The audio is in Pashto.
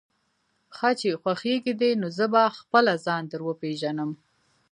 ښه چې خوښېږي دې، نو زه به خپله ځان در وپېژنم.